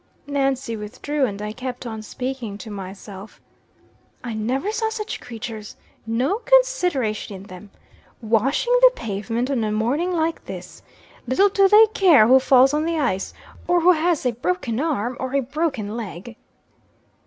Nancy withdrew, and I kept on speaking to myself "I never saw such creatures. No consideration in them! Washing the pavement on a morning like this! Little do they care who falls on the ice; or who has a broken arm, or a broken leg."